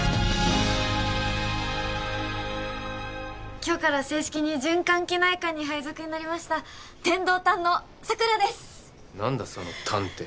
今日から正式に循環器内科に配属になりました天堂担の佐倉ですっ何だその担って？